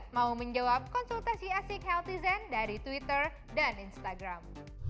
mau menjawab konsultasi asik healthy zen dari twitter dan instagram